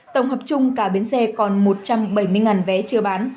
tổng hợp chung cả biến xe còn một trăm bảy mươi vé chưa bán